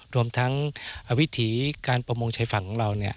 รวมทั้งวิถีการประมงชายฝั่งของเรา